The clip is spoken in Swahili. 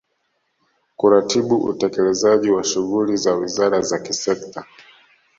kuratibu utekelezaji wa shughuli za wizara za kisekta